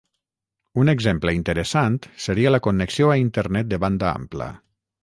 Un exemple interessant seria la connexió a internet de banda ampla.